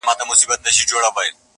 اوس هغه خلک هم لوڅي پښې روان دي،